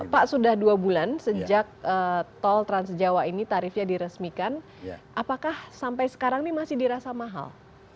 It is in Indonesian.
pak sudah dua bulan sejak tol trans jawa ini tarifnya diresmikan apakah sampai sekarang ini masih dirasa mahal